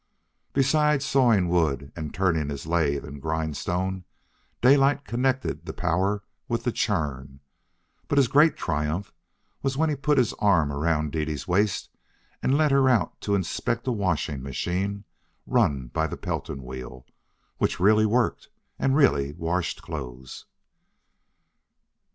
Besides sawing wood and turning his lathe and grindstone, Daylight connected the power with the churn; but his great triumph was when he put his arm around Dede's waist and led her out to inspect a washing machine, run by the Pelton wheel, which really worked and really washed clothes.